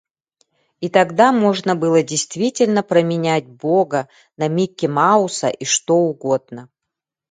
И тогда можно было действительно променять Бога на Микки Мауса и что угодно.